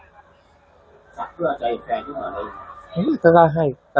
สักเพื่อจะอีกแปลงด้วยเหรอ